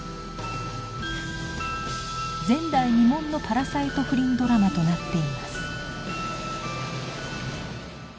前代未聞のパラサイト不倫ドラマとなっています